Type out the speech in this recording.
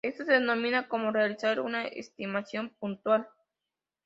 Esto se denomina como realizar una estimación puntual.